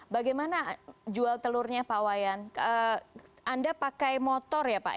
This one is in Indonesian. bagaimana jual telurnya pak wayan anda pakai motor ya pak